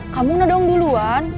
kamu nodong duluan